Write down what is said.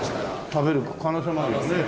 食べる可能性もあるよね。